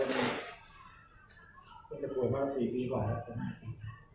ขอบพวกเข้ากับตัวผมด้วย